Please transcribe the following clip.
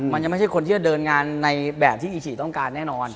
มันยังไม่ใช่คนที่จะเดินงานในแบบที่อีชิต้องการแน่นอน